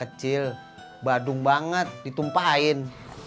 kecil badung banget ditumpahin